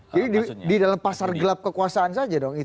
jadi di dalam pasar gelap kekuasaan saja dong